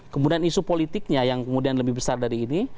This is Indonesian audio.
kemudian isu politiknya yang kemudian lebih besar dari ini